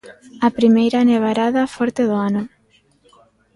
A primeira nevarada forte do ano.